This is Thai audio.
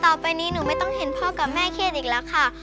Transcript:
ตอนนี้หนูไม่ต้องเห็นพ่อกากแม่เครทธิ์อีกนะค่ะ